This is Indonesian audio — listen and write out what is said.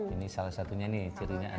ini salah satunya nih